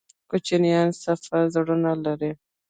کوچنیان صفا زړونه لري